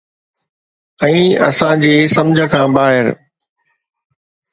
۽ اسان جي سمجھ کان ٻاهر